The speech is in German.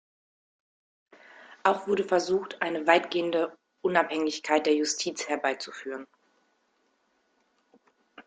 Auch wurde versucht, eine weitgehende Unabhängigkeit der Justiz herbeizuführen.